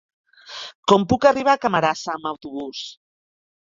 Com puc arribar a Camarasa amb autobús?